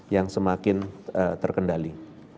yang semakin terkendali